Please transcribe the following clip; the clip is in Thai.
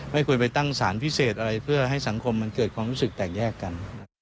ไม่ควรไปตั้งสารพิเศษอะไรเพื่อให้สังคมมันเกิดความรู้สึกแตกแยกกัน